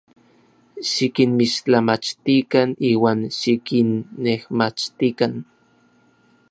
Xikinmixtlamachtikan iuan xikinnejmachtikan.